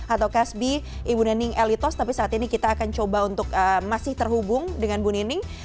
atau kasbi ibu nening elitos tapi saat ini kita akan coba untuk masih terhubung dengan bu nining